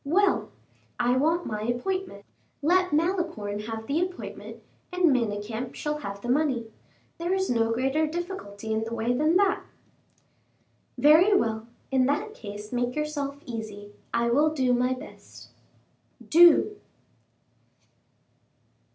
"Well, I want my appointment. Let Malicorne have the appointment, and Manicamp shall have the money. There is no greater difficulty in the way than that." "Very well; in that case make yourself easy. I will do my best." "Do."